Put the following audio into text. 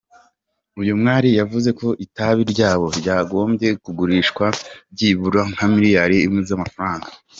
Uyu mwali yavuze ko itabi ryabo ryagombye kugurishwa byibura nka miliyari imwe z’amafaranga.